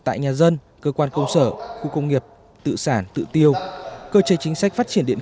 tại nhà dân cơ quan công sở khu công nghiệp tự sản tự tiêu cơ chế chính sách phát triển điện